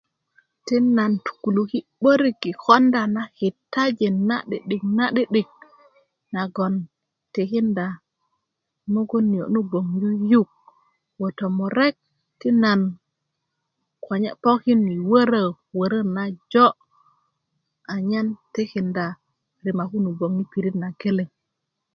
ti nan tugu'uki 'börik yi konda ma kitajin na 'di'dik ns 'di'dik nagon tikinda mugun niyo' na gboŋ yuyuk tomurrk ti nana konye' pokin yi wörö wörö najo anyen tikinda rima kunu boŋ yi pirit nageleŋ